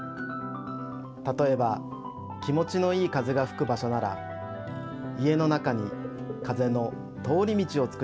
たとえば気もちのいい風がふく場所なら家の中に風の通り道をつくります。